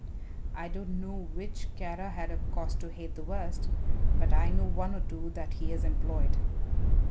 I don't know which Kara had cause to hate the worst, but I know one or two that he has employed."